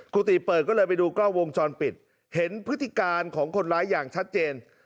กุฏิเปิดก็เลยไปดูกล้องวงจรปิดเห็นพฤติการของคนร้ายอย่างชัดเจน